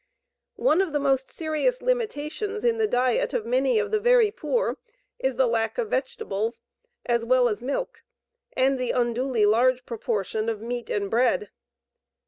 One of the most serious limitations in the diet of many of the very poor is the lack of vegetables as well as milk and the unduly large proportion of meat and bread.